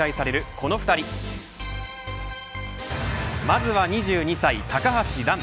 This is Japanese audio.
この２人まずは２２歳、高橋藍。